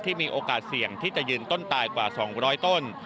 มีโอกาสเสี่ยงที่จะยืนต้นตายกว่า๒๐๐ต้น